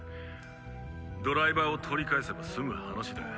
ドライバーを取り返せば済む話だ。